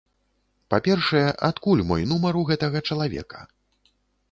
Па-першае, адкуль мой нумар у гэтага чалавека?